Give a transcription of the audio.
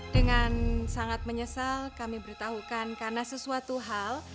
dengan sangat menyesal kami beritahukan karena sesuatu hal